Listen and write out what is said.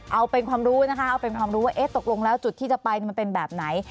เอาเป็นความรู้นะคะเอาเป็นความรู้ว่าตกลงแล้วจุดที่จะไปมันเป็นแบบไหน